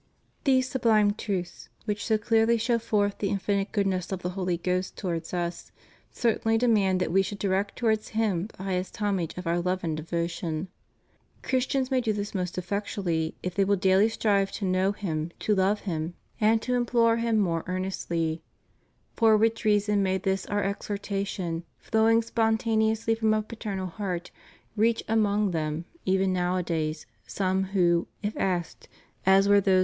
These sublime truths, which so clearly show forth the infinite goodness of the Holy Ghost towards us, cer tainly demand that we should direct towards Him the highest homage of our love and devotion. Christians may do this most effectually if they will daily strive to know Him, to love Him, and to implore Him more earnestly; for which reason may this Our exhortation, flowing spontaneously from a paternal heart, reach their ears.